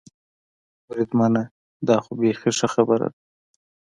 بریدمنه، دا خو بېخي ښه خبره ده.